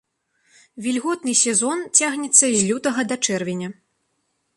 Вільготны сезон цягнецца з лютага да чэрвеня.